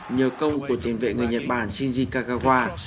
nhờ công của tuyển vệ người nhật bản shinji kagawa